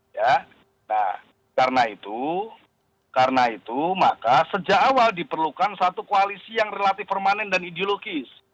nah karena itu karena itu maka sejak awal diperlukan satu koalisi yang relatif permanen dan ideologis